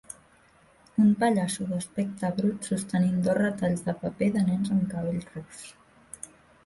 un pallasso d'aspecte brut sostenint dos retalls de paper de nens amb cabell ros